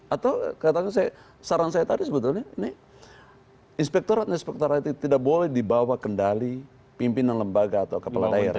atau saran saya tadi sebetulnya ini inspektorat inspektorat itu tidak boleh dibawa kendali pimpinan lembaga atau kepala daerah